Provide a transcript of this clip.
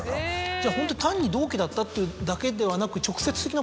じゃあホント単に同期だったというだけではなく。